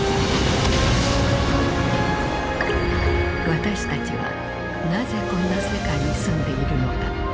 私たちはなぜこんな世界に住んでいるのか。